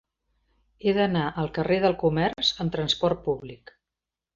He d'anar al carrer del Comerç amb trasport públic.